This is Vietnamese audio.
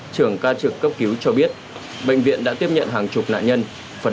trưởng ca trực cấp cứu cho biết bệnh viện đã tiếp nhận hàng chục nạn nhân